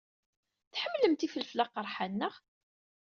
Tḥemmlemt ifelfel aqerḥan, naɣ?